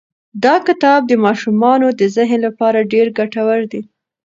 دا کتاب د ماشومانو د ذهن لپاره ډېر ګټور دی.